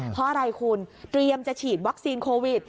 เพราะอะไรคุณเตรียมจะฉีดวัคซีนโควิด